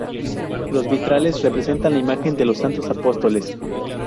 Los vitrales representan la imagen de los santos apóstoles.